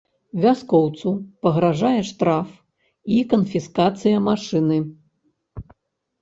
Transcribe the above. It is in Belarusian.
Вяскоўцу пагражае штраф і канфіскацыя машыны.